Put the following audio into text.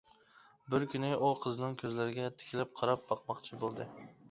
بىر كۈنى ئۇ قىزنىڭ كۆزلىرىگە تىكىلىپ قاراپ باقماقچى بولدى.